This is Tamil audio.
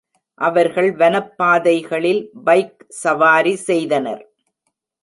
அவர்கள் வனப் பாதைகளில் பைக் சவாரி செய்தனர்.